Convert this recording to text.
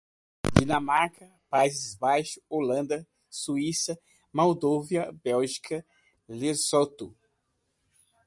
Dinamarca, Países Baixos, Holanda, Suíça, Moldávia, Bélgica, Lesoto